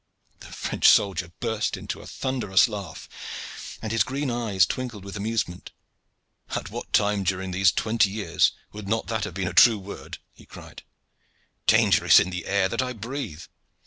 The French soldier burst into a thunderous laugh, and his green eyes twinkled with amusement. "At what time during these twenty years would not that have been a true word?" he cried. "Danger is in the air that I breathe.